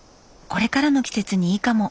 これからの季節にいいかも。